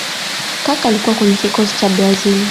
Kaka alikuwa kwyenye kikosi cha brazili